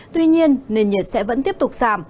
tuy nhiên nền nhiệt sẽ vẫn tiếp tục giảm